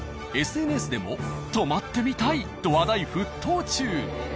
ＳＮＳでも「泊まってみたい！」と話題沸騰中。